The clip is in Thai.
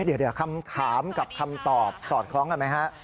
เดี๋ยวคำถามกับคำตอบสอดคล้องกันไหมฮะ